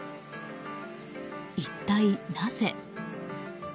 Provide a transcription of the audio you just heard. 一体なぜ。